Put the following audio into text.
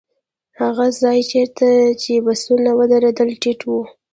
هغه ځای چېرته چې بسونه ودرېدل ټيټ و.